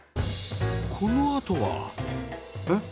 このあとはえっ？